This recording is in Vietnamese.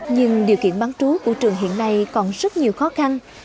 nhưng điều kiện bán trú của trường hiện nay còn rất nhiều khó khăn